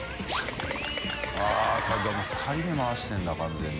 ◆舛でも２人で回してるんだ完全に。